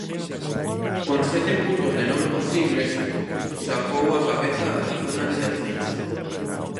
Con sete puntos de nove posibles, sacou a cabeza da zona de descenso.